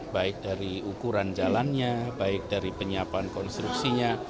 baik dari ukuran jalannya baik dari penyiapan konstruksinya